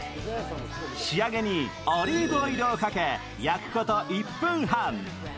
仕上げにオリーブオイルをかけ、焼くこと１分半。